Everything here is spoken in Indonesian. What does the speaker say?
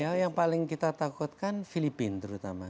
ya yang paling kita takutkan filipina terutama